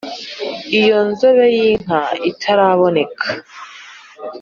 iyo nzobe y'inka itaraboneka